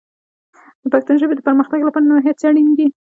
د پښتو ژبې د پرمختګ لپاره نوې هڅې اړینې دي.